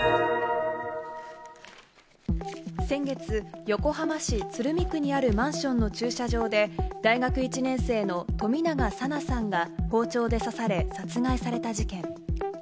先月、横浜市鶴見区にあるマンションの駐車場で、大学１年生の冨永紗菜さんが包丁で刺され殺害された事件。